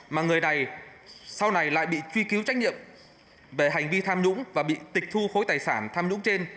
mà người này sau này lại bị truy cứu trách nhiệm về hành vi tham nhũng và bị tịch thu khối tài sản tham nhũng trên